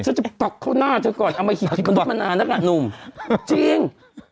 ฉันจะปักเข้าหน้าเธอก่อนเอามาหยิดขนวดมานานนะคะนุ่มจริง